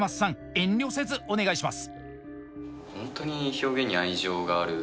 遠慮せずお願いします。